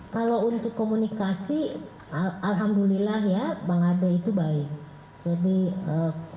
kalau untuk komunikasi alhamdulillah ya bang ade itu baik